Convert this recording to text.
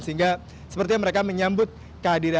sehingga sepertinya mereka menyambut kehadiran pahlawan olimpiade